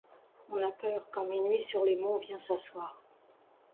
On a peur quand minuit sur les monts vient s’asseoir.